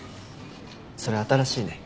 それ新しいね。